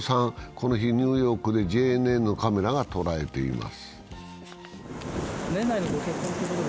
この日、ニューヨークでＪＮＮのカメラが捉えています。